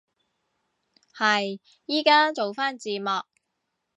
係，依家做返字幕